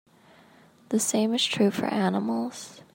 The same is true for animals.